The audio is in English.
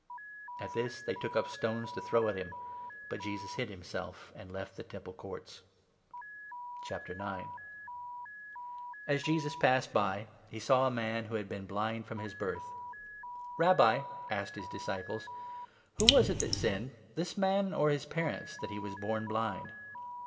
At this they took up stones to throw at him ; but Jesus hid him 59 self, and left the Temple Courts. Jesus As Jesus passed by, he saw a man who had i cures a. Man been blind from his birth. bom blind. « Rabbi," asked his disciples, " who was it that 2 sinned, this man or his parents, that he was born blind